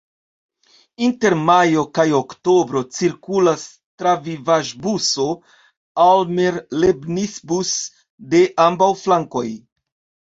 Inter majo kaj oktobro cirkulas travivaĵbuso "Almerlebnisbus" de ambaŭ flankoj.